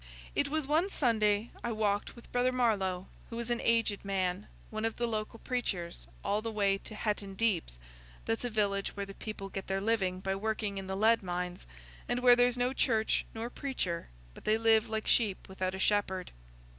"It was one Sunday I walked with brother Marlowe, who was an aged man, one of the local preachers, all the way to Hetton Deeps—that's a village where the people get their living by working in the lead mines, and where there's no church nor preacher, but they live like sheep without a shepherd.